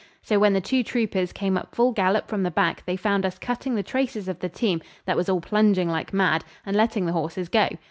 So when the two troopers came up full gallop from the back they found us cutting the traces of the team, that was all plunging like mad, and letting the horses go.